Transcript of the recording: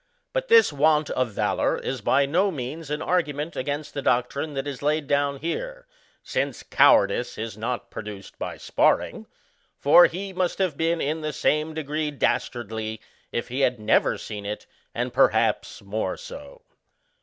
But this want of valour is by no means an argument against the doctrine that is laid down here, since cowardice is not produced by sparring; for, he must have been in the same degree dastardly, if he had never seen it, and, perhaps, more so.